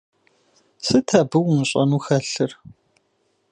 Сыт абы умыщӀэну хэлъыр?!